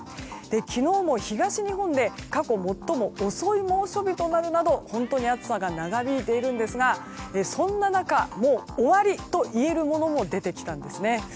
昨日も東日本で過去最も遅い猛暑日となるなど本当に暑さが長引いているんですがそんな中、もう終わりといえるものも出てきたんですね。